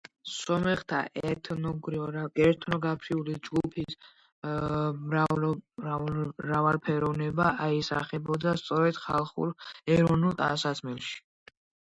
სომეხთა ეთნოგრაფიული ჯგუფების მრავალფეროვნება აისახებოდა სწორედ ხალხურ, ეროვნულ ტანსაცმელში.